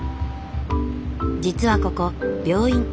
実はここ病院。